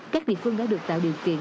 các địa phương đã được tạo điều kiện